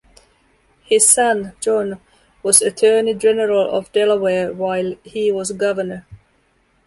His son, John, was Attorney General of Delaware while he was Governor.